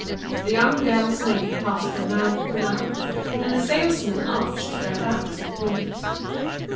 The young girl's name passed from mouth to mouth, the fellows arched their backs and winked.